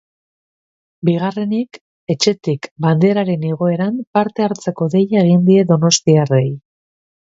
Bigarrenik, etxetik banderaren igoeran parte-hartzeko deia egin die donostiarrei.